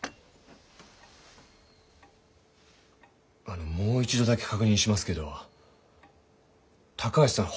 あのもう一度だけ確認しますけど高橋さん